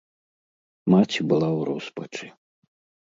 Маці была ў роспачы.